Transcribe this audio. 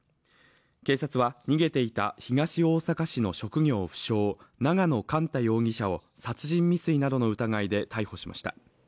警察は逃げていた東大阪市の職業不詳、永野莞太容疑者を殺人未遂などの疑いで逮捕しました。